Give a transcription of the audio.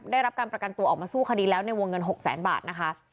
ได้รับการประกันตัวออกมาสู้คดีแล้วในวงเงิน๖แสนบาทนะคะ